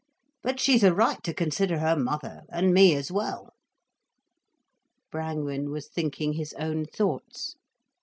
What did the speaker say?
But she's a right to consider her mother, and me as well—" Brangwen was thinking his own thoughts.